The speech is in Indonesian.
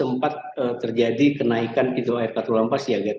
sempat terjadi kenaikan pintu air katulampa siaga tiga